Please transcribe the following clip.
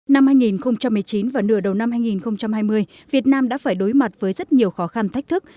năm hai nghìn một mươi chín và nửa đầu năm hai nghìn hai mươi việt nam đã phải đối mặt với rất nhiều khó khăn thách thức